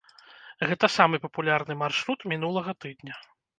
Гэта самы папулярны маршрут мінулага тыдня.